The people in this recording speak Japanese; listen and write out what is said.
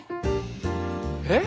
えっ？